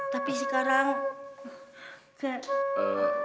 tapi sekarang kek